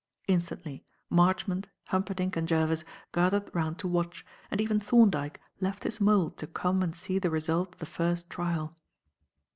Instantly Marchmont, Humperdinck and Jervis gathered round to watch, and even Thorndyke left his mould to come and see the result of the first trial.